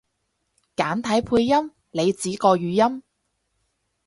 簡體配音？你指個語音？